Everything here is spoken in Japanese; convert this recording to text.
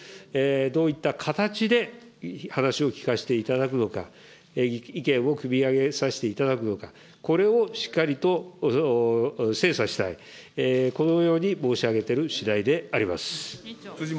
どういった形で話を聞かせていただくのか、意見をくみ上げさせていただくのか、これをしっかりと精査したい、このように申し上げているしだいであります。